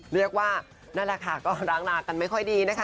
เรียกว่านั่นแหละค่ะก็ร้างรากันไม่ค่อยดีนะคะ